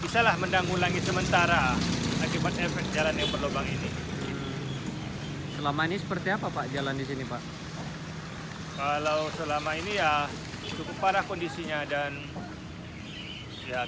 sudah lama berarti pak ya